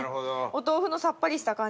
お豆腐のさっぱりした感じと。